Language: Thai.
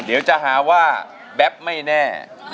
เดี๋ยวจะหาว่าแบ๊บไม่แน่